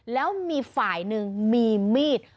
แล้วมีฝ่ายหนึ่งมีมีด